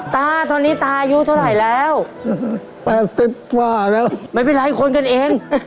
ตาตอนนี้ตายุที่เท่าไหร่แล้วแปบสิบขวาแล้วไม่เป็นไรคนกันเอง